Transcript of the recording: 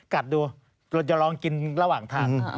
กัดดูจะลองกินระหว่างทาน